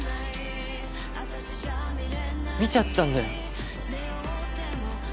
見ちゃったんだよ。